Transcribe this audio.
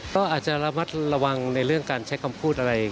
ก็อาจจะระมัดระวังในเรื่องการใช้คำพูดอะไร